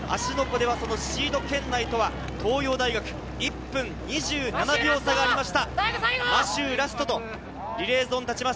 湖ではシード圏内とは東洋大学、１分２７秒差がありました。